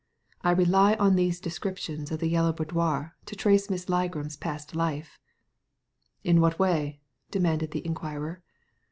I rely on these descriptions of the Yellow Boudoir to trace Miss Ligram's past life." In what way ?" demanded the inquirer.